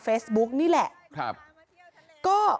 มีเรื่องอะไรมาคุยกันรับได้ทุกอย่าง